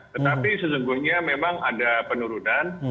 tetapi sesungguhnya memang ada penurunan